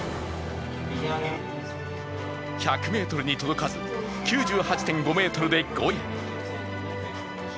１００ｍに届かず、９８．５ｍで５位。